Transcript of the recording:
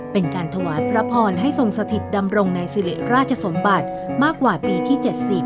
เป็นการถวายพระพรให้ทรงสถิตดำรงในสิริราชสมบัติมากกว่าปีที่๗๐